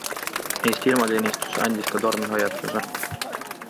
Eesti ilmateenistus andis ka tormihoiatuse.